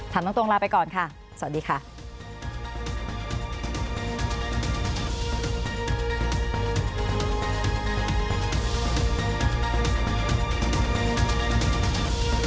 ถามตรงลาไปก่อนค่ะสวัสดีค่ะ